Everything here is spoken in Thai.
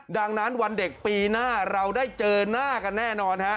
ดังนั้นวันเด็กปีหน้าเราได้เจอหน้ากันแน่นอนฮะ